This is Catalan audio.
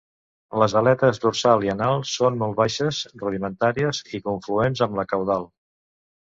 Les aletes dorsal i anal són molt baixes, rudimentàries i confluents amb la caudal.